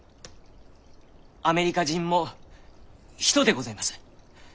アメリカ人も人でございます。